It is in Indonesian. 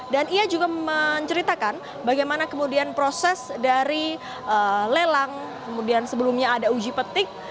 dan ia juga menceritakan bagaimana kemudian proses dari lelang kemudian sebelumnya ada uji petik